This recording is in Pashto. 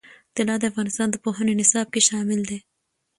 طلا د افغانستان د پوهنې نصاب کې شامل دي.